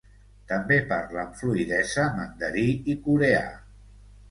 També parla amb fluïdesa mandarí i coreà.